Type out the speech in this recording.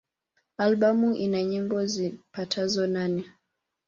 Albamu ina nyimbo zipatazo nane.